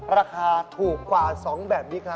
ราคาถูกกว่า๒แบบนี้ครับ